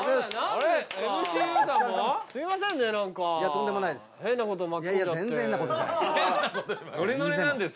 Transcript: とんでもないです。